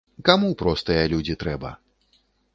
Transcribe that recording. Каму простыя людзі трэба?